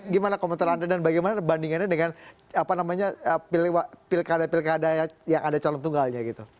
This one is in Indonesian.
gimana komentar anda dan bagaimana bandingannya dengan apa namanya pil kada pil kada yang ada calon tunggalnya gitu